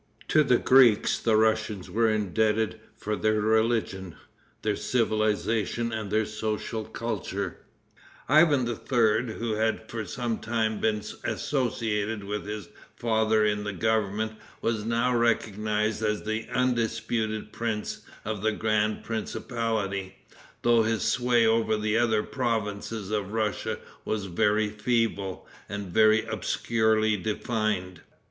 To the Greeks the Russians were indebted for their religion, their civilization and their social culture. [Footnote 4: Karamsin, vol. ix., p. 436.] Ivan III., who had for some time been associated with his father in the government, was now recognized as the undisputed prince of the grand principality, though his sway over the other provinces of Russia was very feeble, and very obscurely defined.